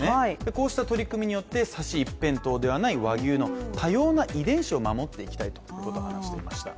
こうした取り組みによってサシ一辺倒ではない、多様な遺伝子を守っていきたいということを話していました。